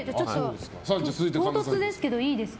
唐突ですけどいいですか。